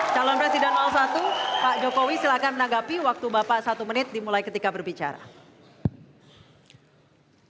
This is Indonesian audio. calon presiden satu pak jokowi silahkan menanggapi waktu bapak satu menit dimulai ketika berbicara